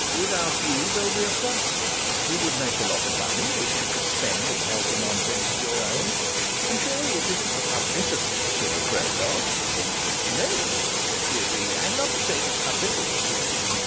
Without you there'll be a frost. You would make a lot of money, which you could spend in helping on things of your own. And surely it isn't the publicity that you're afraid of!" "No," she agreed. "I'm not afraid of publicity."